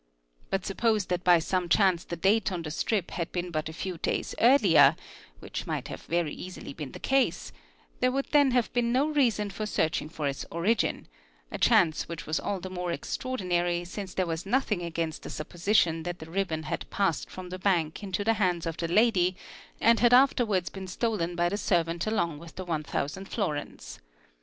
But suppose that by some chance the date on the strip had been but a few days earlier—which might very easily have been the case—there would then have been no reason for searching for its origin; a chance which was all the more extraordinary since there — was nothing against the supposition that the ribbon had passed from the bank into the hands of the lady and had afterwards been stolen by the servant along with the 1,000 florins.